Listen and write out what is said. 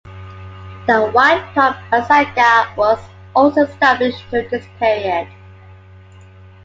The White Plum Asanga was also established during this period.